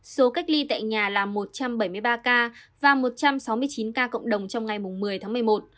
số cách ly tại nhà là một trăm bảy mươi ba ca và một trăm sáu mươi chín ca cộng đồng trong ngày một mươi tháng một mươi một